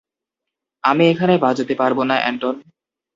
আমি এখানে বাজাতে পারবো না, এন্টন।